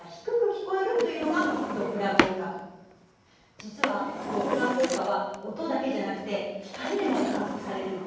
実はドップラー効果は音だけじゃなくて光でも観測されるの。